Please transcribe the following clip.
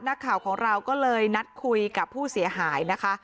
นักข่าวของเราก็เลยนัดคุยกับผู้เสียหายนะคะ